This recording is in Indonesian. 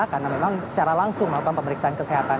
karena memang secara langsung melakukan pemeriksaan kesehatan